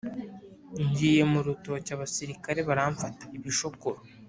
Ngiye mu rutoki abasirikare baramfata-Ibishokoro.